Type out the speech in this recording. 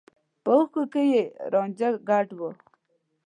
په اوښکو کې يې رانجه ګډ و.